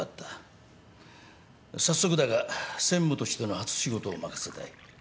早速だが専務としての初仕事を任せたい。